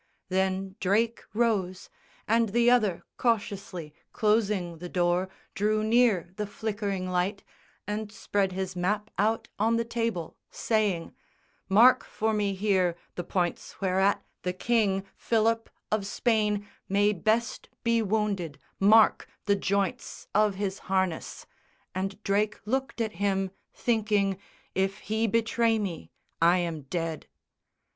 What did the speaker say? Then Drake rose, and the other cautiously Closing the door drew near the flickering light And spread his map out on the table, saying "Mark for me here the points whereat the King Philip of Spain may best be wounded, mark The joints of his harness;" and Drake looked at him Thinking, "If he betray me, I am dead."